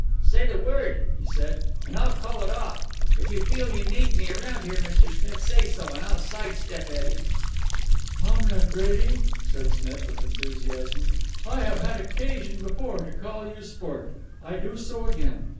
"Say the word," he said, "and I'll call it off. If you feel you need me around here, Mr. Smith, say so, and I'll side step Eddie." "Comrade Brady," said Smith with enthusiasm, "I have had occasion before to call you sport. I do so again.